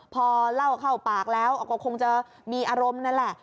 พอเล่าเข้าปากแล้วก็คงจะมีอารมณ์นั่นแหละ